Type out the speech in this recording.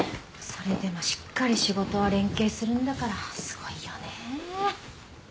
それでもしっかり仕事は連係するんだからすごいよね！